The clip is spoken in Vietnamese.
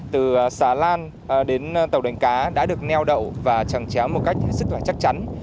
từ xà lan đến tàu đánh cá đã được neo đậu và chẳng chéo một cách hết sức chắc chắn